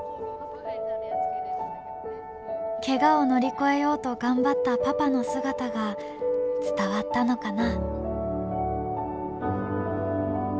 ケガを乗り越えようと頑張ったパパの姿が伝わったのかな。